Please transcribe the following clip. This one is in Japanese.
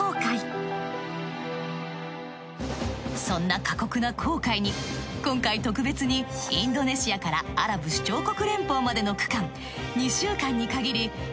そんな過酷な航海に今回特別にインドネシアからアラブ首長国連邦までの区間２週間にかぎり。